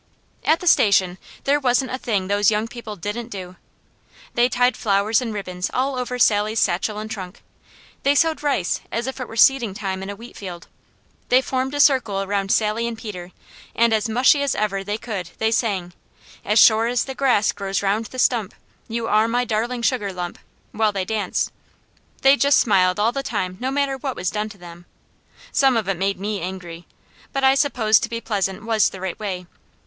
At the station there wasn't a thing those young people didn't do. They tied flowers and ribbons all over Sally's satchel and trunk. They sowed rice as if it were seeding time in a wheatfield. They formed a circle around Sally and Peter and as mushy as ever they could they sang, "As sure as the grass grows around the stump, You are my darling sugar lump," while they danced. They just smiled all the time no matter what was done to them. Some of it made me angry, but I suppose to be pleasant was the right way.